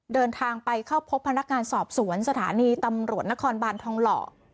เดินทางไปเข้าพบพนักงานสอบสวนสถานีตำรวจนครบานทองหล่อ